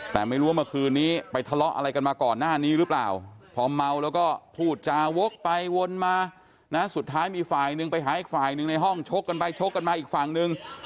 แต่ไม่รู้ว่าเมื่อคืนนี้ไปทะเลาะอะไรกันมาก่อนหน้านี้หรือเปล่าพอเมาแล้วก็พูดจาวกไปวนมานะสุดท้ายมีฝ่ายหนึ่งไปหาอีกฝ่ายหนึ่งในห้องชกกันไปชกกันมาอีกฝั่งนึง